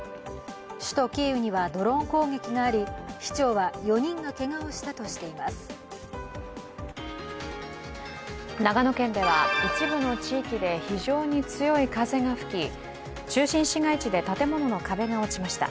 首都キーウにはドローン攻撃があり、市長は長野県では一部の地域で非常に強い風が吹き中心市街地で建物の壁が落ちました。